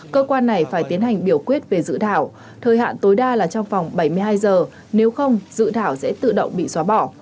cơ quan này phải tiến hành biểu quyết về dự thảo thời hạn tối đa là trong vòng bảy mươi hai giờ nếu không dự thảo sẽ tự động bị xóa bỏ